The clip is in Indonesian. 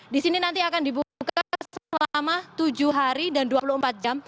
di sini nanti akan dibuka selama tujuh hari dan dua puluh empat jam